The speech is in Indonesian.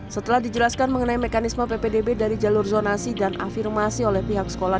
setelah dijelaskan mengenai mekanisme ppdb dari jalur zonasi dan afirmasi oleh pihak sekolah